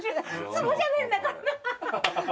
「つぼじゃねえんだから」